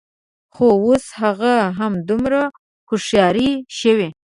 خو، اوس هغه هم همدومره هوښیاره شوې